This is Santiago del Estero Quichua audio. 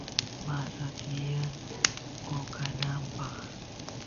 masa tiyan qoqanapaq